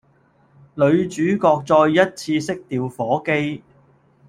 女主角再一次熄掉火機